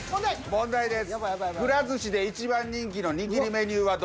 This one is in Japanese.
問題です。